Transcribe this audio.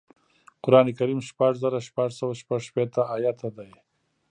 قران کریم شپږ زره شپږ سوه شپږشپېته ایاته دی